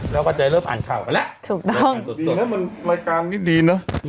แล้วก็จะเริ่มอ่านข่าวไปแล้วถูกต้องสุดแล้วมันรายการนี้ดีเนอะ